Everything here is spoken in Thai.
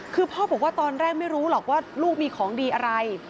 คือพ่อบอกว่าตอนแรกไม่รู้หรอกว่าลูกมีของดีอะไร